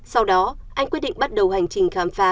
sau đó anh quyết định bắt đầu hành trình khám phá